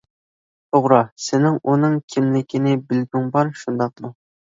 توغرا، سېنىڭ ئۇنىڭ كىملىكىنى بىلگۈڭ بار، شۇنداقمۇ.